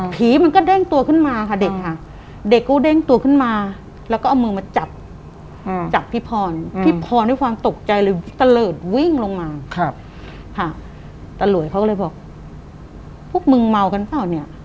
ผีมันก็เด้งตัวขึ้นมาค่ะเด็กค่ะ